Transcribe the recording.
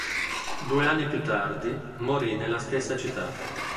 Due anni più tardi, morì nella stessa città.